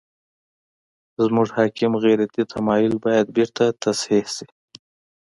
زموږ حاکم غیرتي تمایل باید بېرته تصحیح شي.